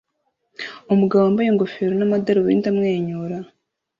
Umugabo wambaye ingofero n'amadarubindi amwenyura